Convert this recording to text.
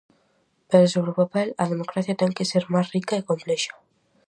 Pero sobre o papel, a democracia ten que ser máis rica e complexa.